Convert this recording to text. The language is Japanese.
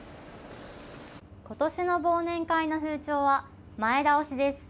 今年の忘年会の風潮は前倒しです。